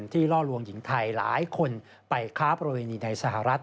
ล่อลวงหญิงไทยหลายคนไปค้าประเวณีในสหรัฐ